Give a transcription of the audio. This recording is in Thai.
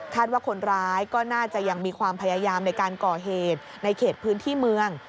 ว่าคนร้ายก็น่าจะยังมีความพยายามในการก่อเหตุในเขตพื้นที่เมือง